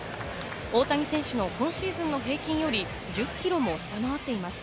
大谷選手の今シーズンの平均より１０キロも下回っています。